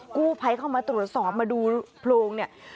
กู้ไพเข้ามาตรวจสอบมาดูโพรงนี้